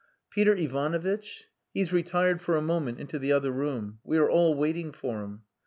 "Peter Ivanovitch? He's retired for a moment into the other room. We are all waiting for him."